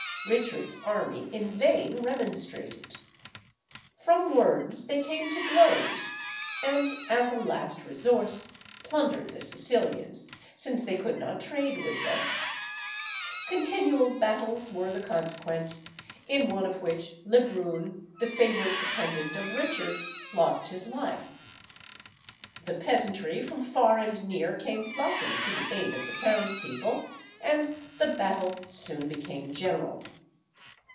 Richard's army in vain remonstrated. From words they came to blows, and, as a last resource, plundered the Sicilians, since they could not trade with them. Continual battles were the consequence, in one of which Lebrun, the favourite attendant of Richard, lost his life. The peasantry from far and near came flocking to the aid of the townspeople, and the battle soon became general.